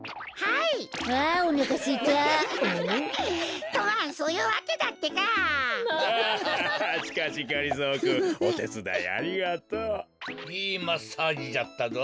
いいマッサージじゃったぞ。